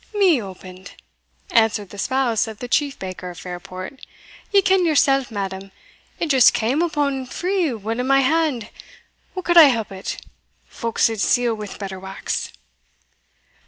"Me opened!" answered the spouse of the chief baker of Fairport; "ye ken yoursell, madam, it just cam open o' free will in my hand what could I help it? folk suld seal wi' better wax."